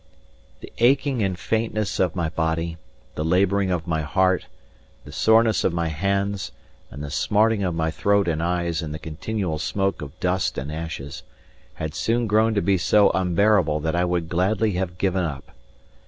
The aching and faintness of my body, the labouring of my heart, the soreness of my hands, and the smarting of my throat and eyes in the continual smoke of dust and ashes, had soon grown to be so unbearable that I would gladly have given up.